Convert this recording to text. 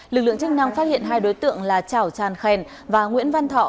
lực lượng chức năng phát hiện hai đối tượng là chảo tràn khen và nguyễn văn thọ